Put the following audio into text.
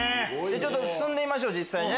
ちょっと進んでみましょう実際。